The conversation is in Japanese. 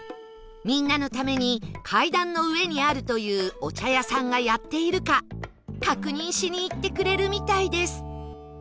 みんなのために階段の上にあるというお茶屋さんがやっているか確認しに行ってくれるみたいです